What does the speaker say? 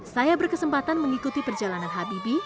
saya berkesempatan mengikuti perjalanan habibi